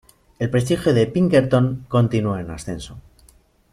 El prestigio de "Pinkerton" continuó en ascenso.